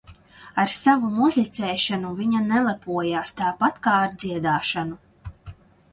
Ar savu muzicēšanu viņa nelepojās, tāpat kā ar dziedāšanu.